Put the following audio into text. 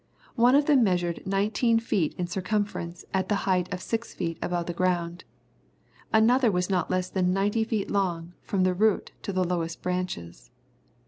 One of them measured nineteen feet in circumference at the height of six feet above the ground, another was not less than ninety feet long from the root to the lowest branches.